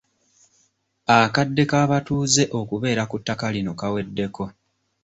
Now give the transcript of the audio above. Akadde k'abatuuze okubeera ku ttaka lino kaweddeko.